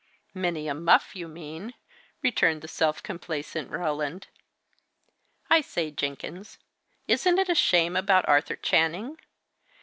"Many a muff, you mean!" returned self complaisant Roland. "I say, Jenkins, isn't it a shame about Arthur Channing?